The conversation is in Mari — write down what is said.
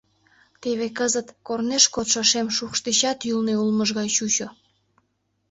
Теве кызыт корнеш кодшо шем шукш дечат ӱлнӧ улмыж гай чучо.